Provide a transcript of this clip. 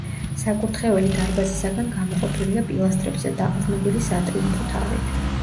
საკურთხეველი დარბაზისაგან გამოყოფილია პილასტრებზე დაყრდნობილი სატრიუმფო თაღით.